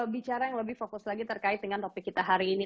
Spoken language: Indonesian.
bicara yang lebih fokus lagi terkait dengan topik kita hari ini